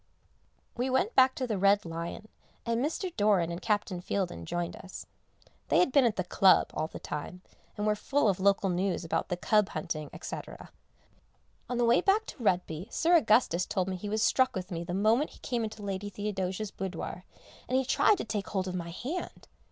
We went back to the "Red Lion" and Mr. Doran and Captain Fieldin joined us. They had been at the Club all the time, and were full of local news about the cub hunting, &c. On the way back to Retby Sir Augustus told me he was struck with me the moment he came into Lady Theodosia's boudoir, and he tried to take hold of my hand.